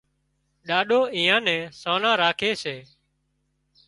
ڏاڏو ايئان نين سانان راکي سي